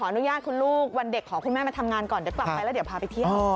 อนุญาตคุณลูกวันเด็กขอคุณแม่มาทำงานก่อนเดี๋ยวกลับไปแล้วเดี๋ยวพาไปเที่ยว